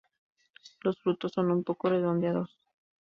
Los frutos son un poco redondeados.